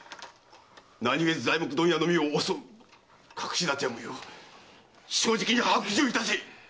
何故材木問屋のみを襲う⁉隠しだては無用正直に白状いたせ！